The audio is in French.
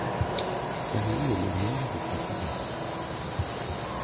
Carlo est le nom de son parrain.